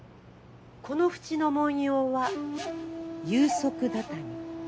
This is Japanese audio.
この縁の文様は有職畳。